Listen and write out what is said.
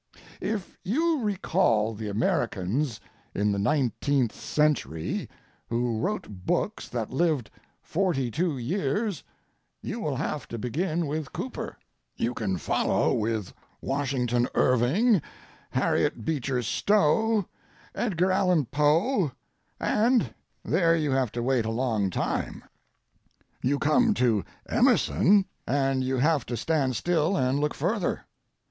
If you recall the Americans in the nineteenth century who wrote books that lived forty two years you will have to begin with Cooper; you can follow with Washington Irving, Harriet Beecher Stowe, Edgar Allan Poe, and there you have to wait a long time. You come to Emerson, and you have to stand still and look further.